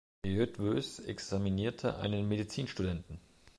Eötvös examinierte einen Medizinstudenten.